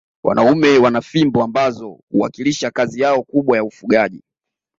Wanaume wana fimbo ambazo huwakilisha kazi yao kubwa ya ufugaji